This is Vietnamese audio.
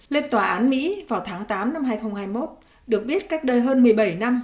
lên tòa án mỹ vào tháng tám năm hai nghìn hai mươi một được biết cách đây hơn một mươi bảy năm